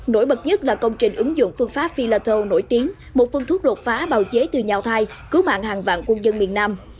nổi bật nhất là công trình ứng dụng phương pháp philato nổi tiếng một phun thuốc đột phá bào chế từ nhào thai cứu mạng hàng vạn quân dân miền nam